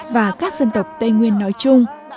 và các dân tộc tây nguyên nói chung